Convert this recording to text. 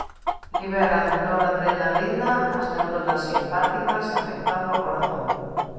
Liberan noradrenalina as neuronas simpáticas afectando ao corazón.